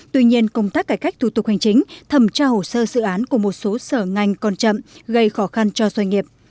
tuy nhiên công tác cải cách thủ tục hành chính thẩm tra hồ sơ dự án của một số sở ngành còn chậm gây khó khăn cho doanh nghiệp